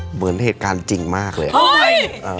เหมือนเหตุการณ์จริงมากเลย